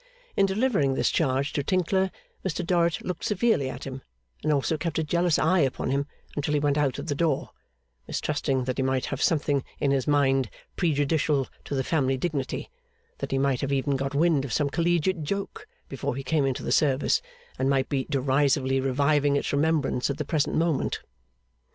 In delivering this charge to Tinkler, Mr Dorrit looked severely at him, and also kept a jealous eye upon him until he went out at the door, mistrusting that he might have something in his mind prejudicial to the family dignity; that he might have even got wind of some Collegiate joke before he came into the service, and might be derisively reviving its remembrance at the present moment.